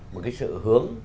một cái sự hướng